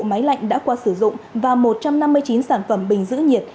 máy lạnh đã qua sử dụng và một trăm năm mươi chín sản phẩm bình giữ nhiệt